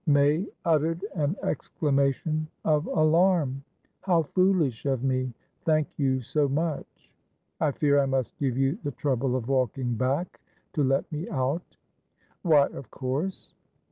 May uttered an exclamation of alarm. "How foolish of me! Thank you so much!" "I fear I must give you the trouble of walking back, to let me out." "Why, of course."